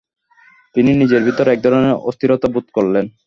তিনি নিজের ভিতর এক ধরনের অস্থিরতা বোধ করলেন।